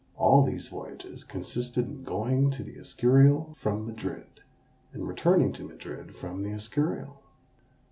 All these voyages consisted in going to the Escurial from Madrid, and returning to Madrid from the Escurial.